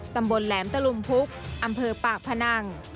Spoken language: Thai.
ตำบลแหลมตะลุมพุกอำเภอปากพนัง